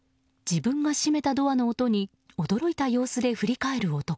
自分が閉めたドアの男に驚いた様子で振り返る男。